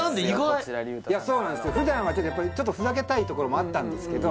意外そうなんですよふだんはちょっとふざけたいところもあったんです